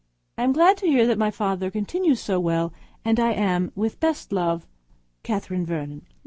I am glad to hear that my father continues so well; and am, with best love, &c., CATHERINE VERNON.